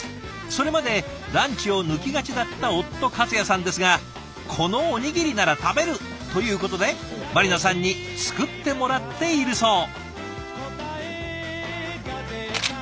それまでランチを抜きがちだった夫克也さんですがこのおにぎりなら食べる！ということで茉里奈さんに作ってもらっているそう。